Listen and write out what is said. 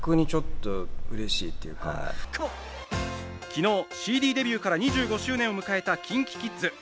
昨日、ＣＤデビューから２５周年を迎えたＫｉｎＫｉＫｉｄｓ。